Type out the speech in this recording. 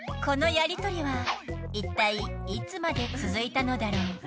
このやり取りはいったいいつまで続いたのだろう。